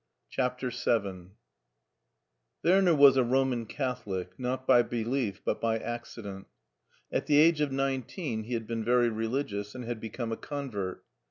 CHAPTER VU WARNER was a Roman Catholic, not by be lief but by accident. At the age of nineteen he had been very religious and had become a convert.